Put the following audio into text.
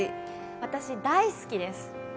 私、大好きです。